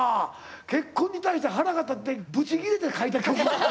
結婚に対して腹が立ってブチ切れて書いた曲。